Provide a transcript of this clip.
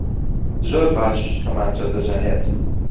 زۆر باش کەمانچە دەژەنێت.